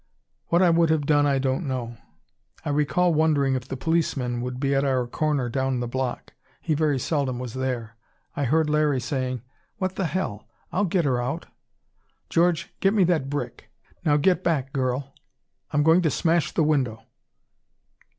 What I would have done I don't know. I recall wondering if the policeman would be at our corner down the block; he very seldom was there. I heard Larry saying: "What the hell! I'll get her out. George, get me that brick.... Now, get back, girl I'm going to smash the window."